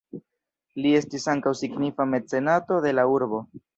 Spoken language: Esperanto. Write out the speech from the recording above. Li estis ankaŭ signifa mecenato de la urbo.